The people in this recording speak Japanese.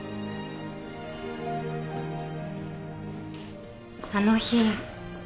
あの日。